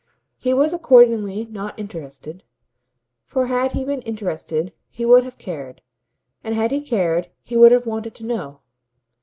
He was accordingly not interested, for had he been interested he would have cared, and had he cared he would have wanted to know.